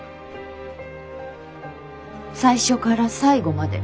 最初から最後まで。